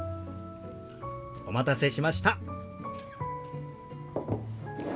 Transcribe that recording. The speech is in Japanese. お待たせしました。